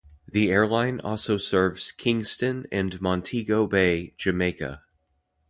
The airline also serves Kingston and Montego Bay, Jamaica.